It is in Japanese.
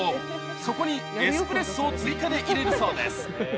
そこにエスプレッソを追加で入れるそうです。